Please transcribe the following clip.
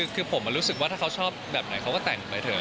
คือผมรู้สึกว่าถ้าเขาชอบแบบไหนเขาก็แต่งไปเถอะ